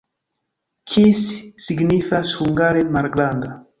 Kis signifas hungare malgranda.